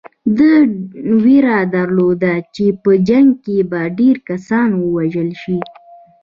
ده وېره درلوده چې په جنګ کې به ډېر کسان ووژل شي.